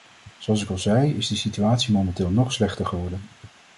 Zoals ik al zei, is de situatie momenteel nog slechter geworden.